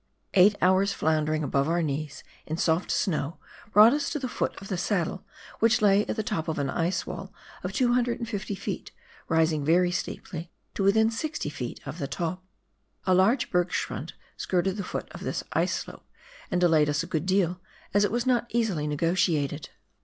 Eight hours' floundering above our knees in the soft snow brought vis to the foot of the saddle, which lay at the top of an ice wall of 250 ft., rising very steeply to within 60 ft. of the top. A large hergschrund skirted the foot of this ice slope, and delayed us a good deal, as it was not easily negotiated.